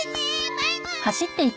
バイバーイ！